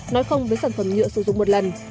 nói không với sản phẩm nhựa sử dụng một lần